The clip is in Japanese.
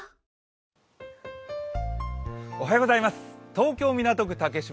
東京・港区竹芝